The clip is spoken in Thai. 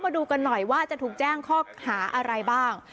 มาดูกันหน่อยว่าจะถูกแจ้งข้อหาอะไรบ้าง